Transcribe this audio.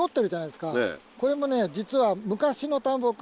これもね実は昔の田んぼは。